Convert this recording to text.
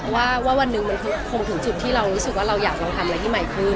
ว่าวันหนึ่งมันคงถึงจุดที่เรารู้สึกว่าเราอยากลองทำอะไรที่ใหม่ขึ้น